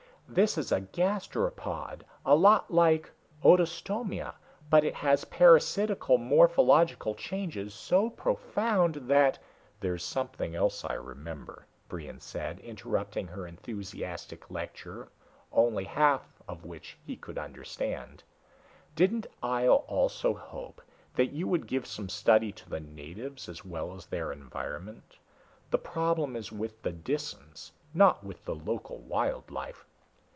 This is a gastropod, a lot like Odostomia, but it has parasitical morphological changes so profound that " "There's something else I remember," Brion said, interrupting her enthusiastic lecture, only half of which he could understand. "Didn't Ihjel also hope that you would give some study to the natives as well as their environment? The problem is with the Disans not with the local wild life."